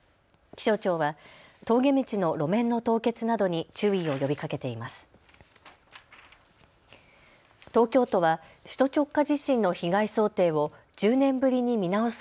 気象庁は峠道の路面の凍結などに注意を呼びかけています。